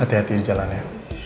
hati hati di jalan ya